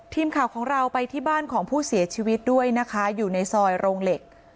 ทีมข่าวของเราไปที่บ้านของผู้เสียชีวิตด้วยนะคะอยู่ในซอยโรงเหล็ก